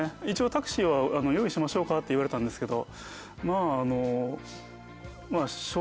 一応タクシーは用意しましょうかって言われたんですけどまあ。